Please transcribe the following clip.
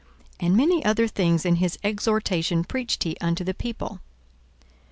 42:003:018 And many other things in his exhortation preached he unto the people.